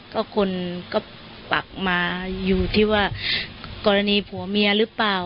ก็คนก็ปักมาอยู่ที่ว่ากรณีผัวเมียหรือเปล่า